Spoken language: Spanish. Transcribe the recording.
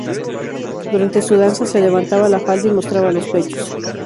Durante su danza, se levantaba la falda y mostraba los pechos.